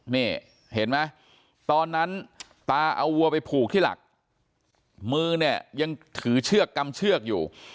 นี่เห็นไหมตอนนั้นตาเอาวัวไปผูกที่หลักมือเนี่ยยังถือเชือกกำเชือกอยู่